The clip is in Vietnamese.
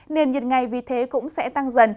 nền nhiệt ngày vì thế cũng sẽ tăng dần